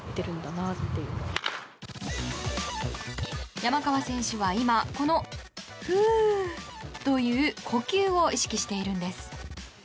山川選手は今、このふーっという呼吸を意識しているんです。